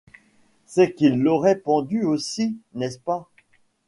C’est qu’ils l’auraient pendue aussi, n’est-ce pas ?